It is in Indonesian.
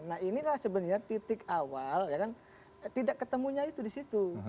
nah ini sebenarnya titik awal ya kan tidak ketemunya itu disitu